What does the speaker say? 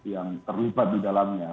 yang terlibat di dalamnya